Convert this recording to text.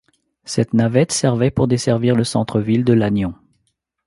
Cette navette servait pour desservir le centre-ville de Lannion.